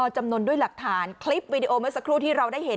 จำนวนด้วยหลักฐานคลิปวิดีโอเมื่อสักครู่ที่เราได้เห็น